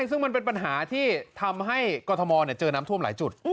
ซึ่งมันเป็นปัญหาที่ทำให้กรทมเจอน้ำท่วมหลายจุด